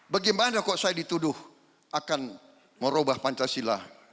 bagaimana kok saya dituduh akan merubah pancasila